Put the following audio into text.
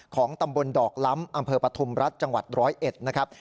ของตำบลดอกล้ำอำเภอปฐุมรัฐจังหวัด๑๐๑นะครับ